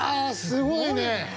すごいね！